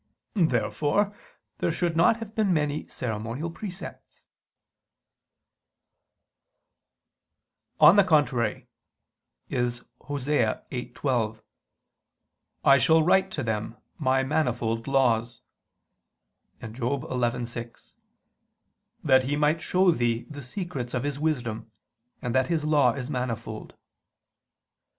Therefore there should not have been many ceremonial precepts. On the contrary, (Osee 8:12): "I shall write to them [Vulg.: 'him'] My manifold laws"; and (Job 11:6): "That He might show thee the secrets of His wisdom, and that His Law is manifold."